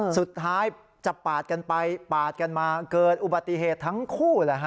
สุดท้ายจะปาดกันไปปาดกันมาเกิดอุบัติเหตุทั้งคู่